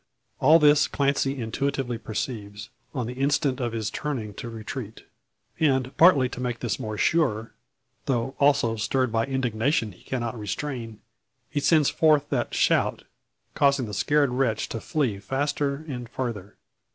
All this Clancy intuitively perceives, on the instant of his turning to retreat. And partly to make this more sure, though also stirred by indignation he cannot restrain, he eends forth that shout, causing the scared wretch to flee faster and farther.